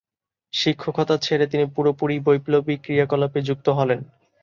শিক্ষকতা ছেড়ে দিয়ে পুরোপুরি বৈপ্লবিক ক্রিয়াকলাপে যুক্ত হলেন।